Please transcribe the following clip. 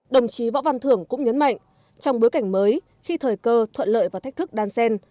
đồng chí võ văn thưởng cũng nhấn mạnh trong bối cảnh mới khi thời cơ thuận lợi và thách thức đan sen